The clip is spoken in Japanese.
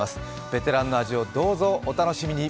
ベテランの味をどうぞお楽しみに。